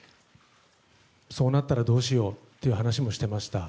そうなったらどうしようって話もしてました。